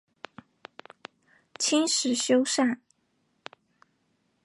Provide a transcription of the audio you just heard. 清时修缮。